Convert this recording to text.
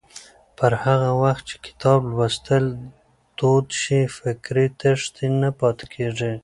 پر هغه وخت چې کتاب لوستل دود شي، فکري تشې نه پاتې کېږي.